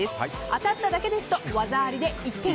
当たっただけですと技ありで１点。